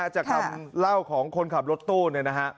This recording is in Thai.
จากคำเล่าของคนขับรถตู้